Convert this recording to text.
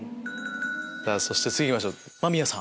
そして次行きましょう間宮さん。